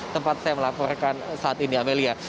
tempat saya melaporkan saat ini amelia